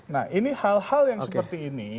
nah ini hal hal yang seperti ini